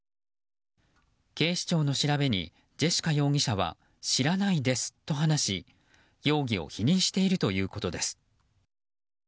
警視庁の調べにジェシカ容疑者は知らないですと話し、容疑を否認しているということです。